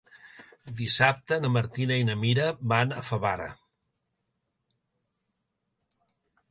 Dissabte na Martina i na Mira van a Favara.